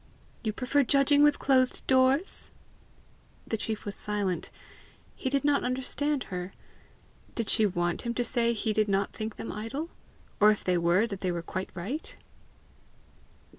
"You prefer judging with closed doors!" The chief was silent: he did not understand her. Did she want him to say he did not think them idle? or, if they were, that they were quite right?